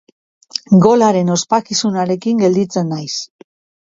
Golaren ospakizunarekin gelditzen naiz.